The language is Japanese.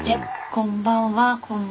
こんばんは。